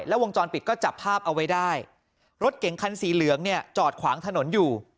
วงจรปิดก็จับภาพเอาไว้ได้รถเก่งคันสีเหลืองเนี่ยจอดขวางถนนอยู่